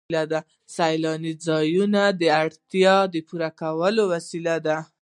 سیلاني ځایونه د اړتیاوو د پوره کولو وسیله ده.